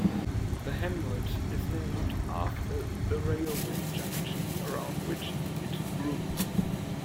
The hamlet is named after the railway junction around which it grew.